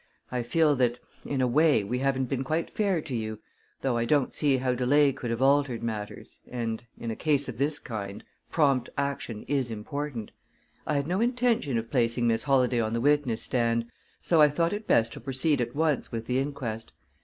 I feel that, in a way, we haven't been quite fair to you, though I don't see how delay could have altered matters, and, in a case of this kind, prompt action is important. I had no intention of placing Miss Holladay on the witness stand, so I thought it best to proceed at once with the inquest.